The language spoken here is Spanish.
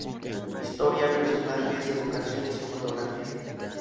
Historia, Personajes, Evocaciones y Fotografías".